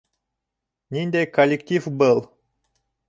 Ниндәй коллектив был?